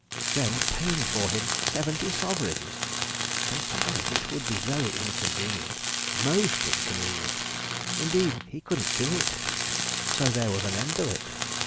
Then, paying for him seventy sovereigns! confound it, it would be very inconvenient most inconvenient indeed, he couldn't do it, so there was an end of it.